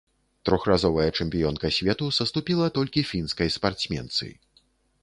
Трохразовая чэмпіёнка свету саступіла толькі фінскай спартсменцы.